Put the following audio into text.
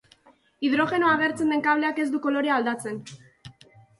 Hidrogenoa agertzen den kableak ez du kolorea aldatzen.